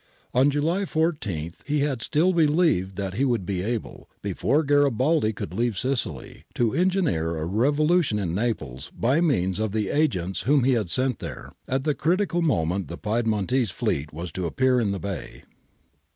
On July 14 he had still believed that he would be able, before Gari baldi could leave Sicily, to engineer a revolution in Naples by means of the agents whom he had sent there ; at the critical moment the Piedmontese fleet was to appear in the bay.